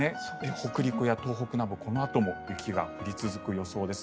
北陸や東北など、このあとも雪が降り続く予想です。